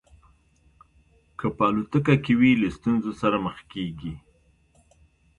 که په الوتکه کې وي له ستونزو سره مخ کېږي.